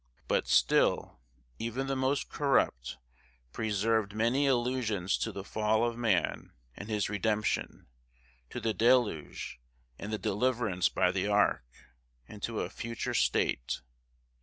But still, even the most corrupt preserved many allusions to the fall of man, and his redemption; to the deluge, and the deliverance by the ark; and to a future state.